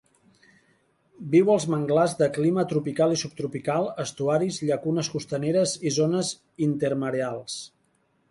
Viu als manglars de clima tropical i subtropical, estuaris, llacunes costaneres i zones intermareals.